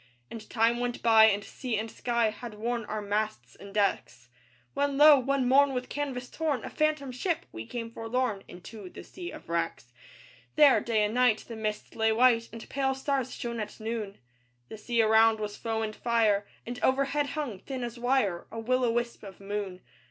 And time went by; and sea and sky Had worn our masts and decks; When, lo! one morn with canvas torn, A phantom ship, we came forlorn Into the Sea of Wrecks. There, day and night, the mist lay white, And pale stars shone at noon; The sea around was foam and fire, And overhead hung, thin as wire, A will o' wisp of moon.